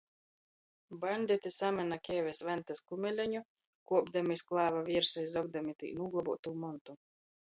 Baņditi samyna kēvis Ventys kumeleņu, kuopdami iz klāva viersa i zogdami tī nūglobuotū montu.